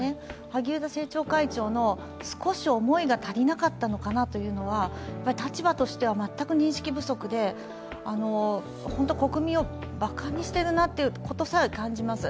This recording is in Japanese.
萩生田政調会長の、少し思いが足りなかったのかなというのは立場としては全く認識不足で、本当、国民をばかにしているなということさえ感じます。